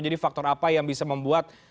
jadi faktor apa yang bisa membuat